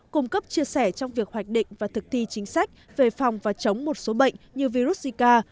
cung cấp chia sẻ trong việc hoạch định và thực thi chính sách về phòng và chống một số bệnh như virus zika